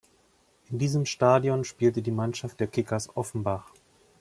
In diesem Stadion spielte die Mannschaft der Kickers Offenbach.